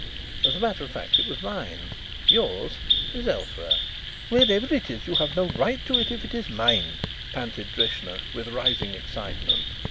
As a matter of fact, it was mine. Yours is elsewhere." "Wherever it is you have no right to it if it is mine," panted Drishna, with rising excitement.